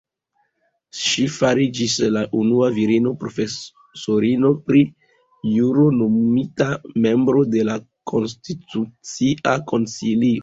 Ŝi fariĝis la unua virino profesorino pri juro nomumita membro de la Konstitucia Konsilio.